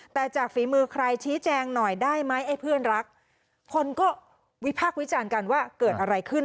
แต่จากฝีมือใครชี้แจงหน่อยได้ไหมไอ้เพื่อนรักคนก็วิพากษ์วิจารณ์กันว่าเกิดอะไรขึ้น